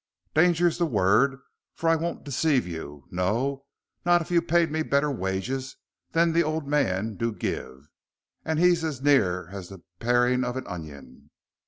"Danger's the word, for I won't deceive you, no, not if you paid me better wages than the old man do give and he's as near as the paring of an inion.